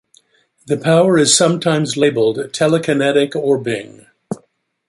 This power is sometimes labeled Telekinetic Orbing.